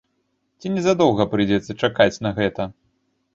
Ці не задоўга прыйдзецца чакаць на гэта?